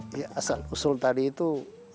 saya sudah berusaha untuk mengikuti ritual ini